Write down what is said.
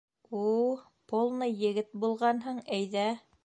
— У-у, полный егет булғанһың, әйҙә!